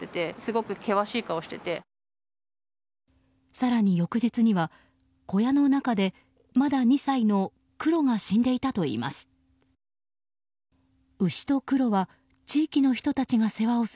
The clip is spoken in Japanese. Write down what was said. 更に翌日には小屋の中でまだ２歳のクロが死んでいたといいます。